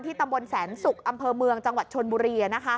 ตำบลแสนศุกร์อำเภอเมืองจังหวัดชนบุรี